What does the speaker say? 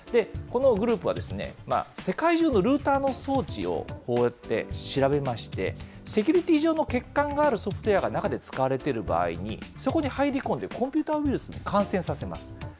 このグループは、世界中のルーターの装置をこうやって調べまして、セキュリティー上の欠陥があるソフトウエアが中で使われている場合に、そこに入り込んで、コンピューターウイルスに感染させます。